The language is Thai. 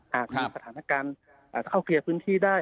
หากมีสถานการณ์เข้าเคลียร์พื้นที่ได้